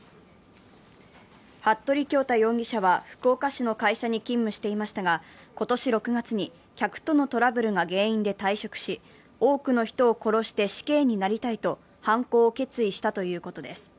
服部恭太容疑者は福岡市の会社に勤務していましたが、今年６月に客とのトラブルが原因で退職し、多くの人を殺して死刑になりたいと犯行を決意したということです。